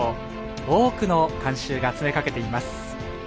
多くの観衆が詰めかけています。